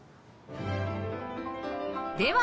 では